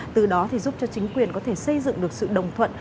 từ đó thì giúp cho chính quyền có thể xây dựng được sự đồng thuận